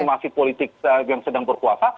masih politik yang sedang berkuasa